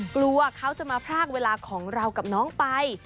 กลัวเขาจะมาพรากเวลาของเรากับน้องไป